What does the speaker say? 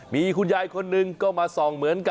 มีคุณยายคนหนึ่งก็มาส่องเหมือนกัน